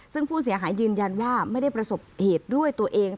ซึ่งผู้เสียหายยืนยันว่าไม่ได้ประสบเหตุด้วยตัวเอง